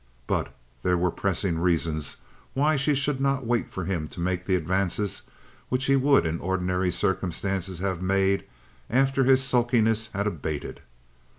But there were pressing reasons why she should not wait for him to make the advances which he would in ordinary circumstances have made after his sulkiness had abated.